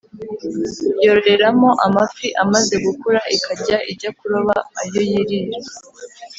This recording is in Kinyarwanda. yororeramo amafi amaze gukura ikajya ijya kuroba ayo yirira